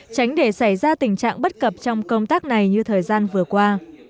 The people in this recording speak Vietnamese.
tránh để xảy ra tình trạng bất cập trong công tác này như thời gian vừa qua